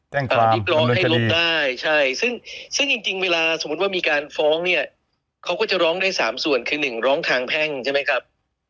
แก้งคลามดิบล้อให้ลบได้ซึ่งจริงเวลาสมมติว่ามีการฟ้องเนี่ยเขาก็จะร้องได้๓ส่วนคือ๑ร้องทางแพ่งใช่ไหมครับ